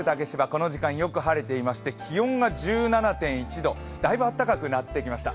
この時間、よく晴れていまして気温が１７．１度だいぶ暖かくなってきました。